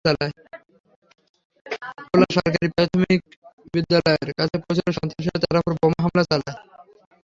তোলা সরকারি প্রাথমিক বিদ্যালয়ের কাছে পৌঁছালে সন্ত্রাসীরা তাঁর ওপর বোমা হামলা চালায়।